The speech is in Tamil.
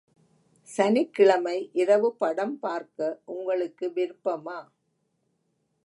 சனிக்கிழமை இரவு படம் பார்க்க உங்களுக்கு விருப்பமா?